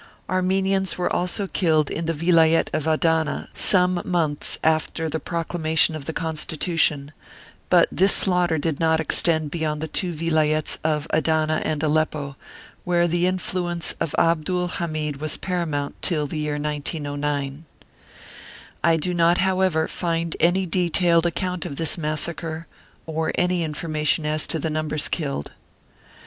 Armenians were also killed in the Vilayet of Adana, some months after the proclamation of the Constitution, but this slaughter did not extend be yond the two Vilayets of Adana and Aleppo, where the influence of Abdul Hamid was paramount till the year 1909. I do not, however, find any detailed account of this massacre, or any information as to the numbers killed.